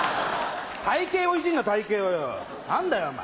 体形をいじるな体形をよ何だよお前。